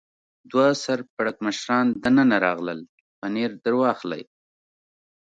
دوه سر پړکمشران دننه راغلل، پنیر در واخلئ.